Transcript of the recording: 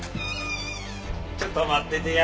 ちょっと待っててや。